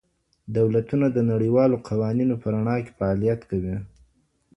دولتونه د نړیوالو قوانینو په رڼا کي فعالیت کوي.